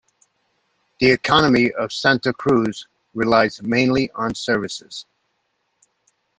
The economy of Santa Cruz relies mainly on services.